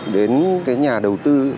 đến cái nhà đầu tư